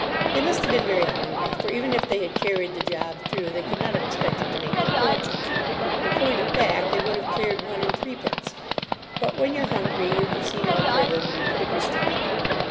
They must have been very hungry, for even if they had carried the job through they could not have expected to make their fortunes. In point of fact, they would have cleared one and threepence. But when you're hungry you can see no further than the pit of your stomach.